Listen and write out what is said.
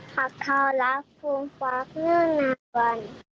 พักเข้ารักภูมิฟักเนื่องนาวรรณ